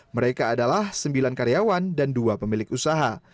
mereka adalah sembilan karyawan dan dua pemilik usaha